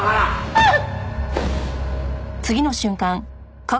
あっ！